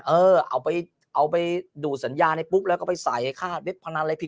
เอาไปเอาไปดูสัญญาณให้ปุ๊บแล้วก็ไปใส่ค่าพนันอะไรผิด